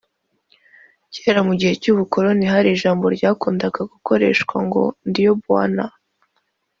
Cyera mugihe cy’ubukoloni hari ijambo ryakundaga gukoreshwa ngo Ndiyo buana